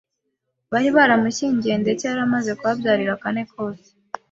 bari baramushyingiye ndetse yari amaze no kuhabyarira kane kose